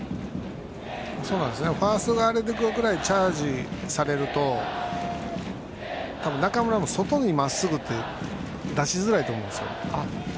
ファーストがあれぐらいチャージされると、多分中村も外へまっすぐを出しづらいと思うんです。